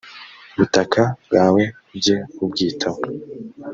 butaka bwawe ujye ubwitaho